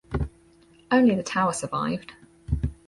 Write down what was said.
Only the tower survived.